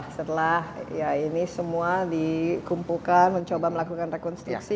setelah ya ini semua di lumpuhkan mencoba melakukan rekonstruksi